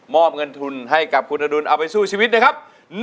อบเงินทุนให้กับคุณอดุลเอาไปสู้ชีวิตนะครับ